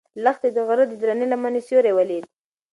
لښتې د غره د درنې لمنې سیوری ولید.